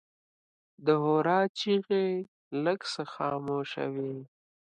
د هورا چیغې لږ څه خاموشه وې.